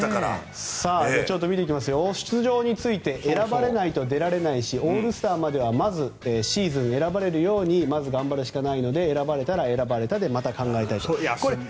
出場については選ばれないと出られないしオールスターまではシーズン、選ばれるようにまず頑張るしかないので選ばれたら選ばれたでまた考えたいと。